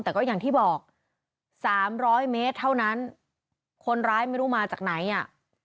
แต่ก็อย่างที่บอกสามร้อยเมตรเท่านั้นคนร้ายไม่รู้มาจากไหนอ่ะ